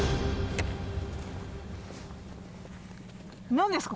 何ですか？